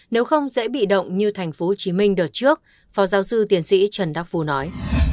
nếu không dễ bị động như thành phố hồ chí minh đợt trước phó giáo sư tiến sĩ trần đắc phu nói